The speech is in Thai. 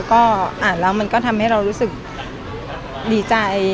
ก็อ่านแล้วมันก็ทำให้เรารู้สึกดีใจ